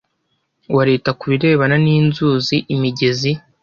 wa leta ku birebana n inzuzi imigezi